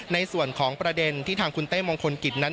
ในส่วนของประเด็นที่ทางคุณเต้มงคลกิจนั้น